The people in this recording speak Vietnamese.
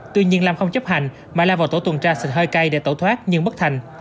tuy nhiên lam không chấp hành mà la vào tổ tuần tra xịt hơi cay để tẩu thoát nhưng bất thành